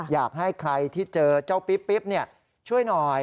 อยากให้ใครที่เจอเจ้าปิ๊บช่วยหน่อย